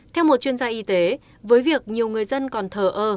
theo một chuyên gia y tế với việc nhiều người dân còn thờ ơ